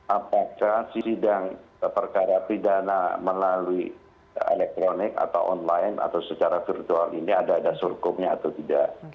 apakah sidang perkara pidana melalui elektronik atau online atau secara virtual ini ada dasar hukumnya atau tidak